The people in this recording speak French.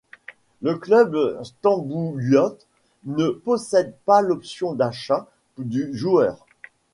Le club stambouliote ne possède pas l'option d'achat du joueur.